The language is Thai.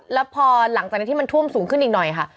แล้วพอหลังจากนั้นที่มันท่วมสูงขึ้นอีกหน่อยค่ะ